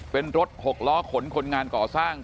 เป็นรถหกล้อขนคนงานก่อสร้าง